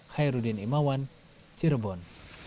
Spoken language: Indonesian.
khairudin imawan cirebon